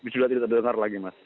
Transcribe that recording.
sudah tidak terdengar lagi mas